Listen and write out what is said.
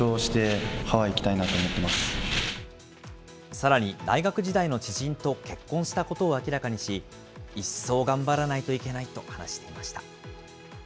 さらに大学時代の知人と結婚したことを明らかにし、一層頑張らないといけないと話していました。